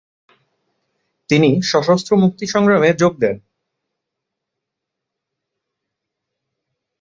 তিনি সশস্ত্র মুক্তিসংগ্রামে যোগ দেন।